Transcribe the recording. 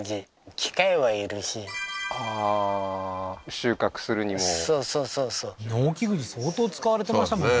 収穫するにもそうそうそうそう農機具に相当使われてましたもんね